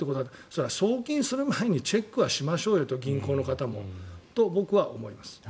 それは送金する前にチェックはしましょうよと銀行の方もと僕は思います。